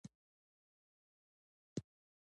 د مقابل کس ځواب ممکن دا وي چې زه د دوه بچیانو مور یم.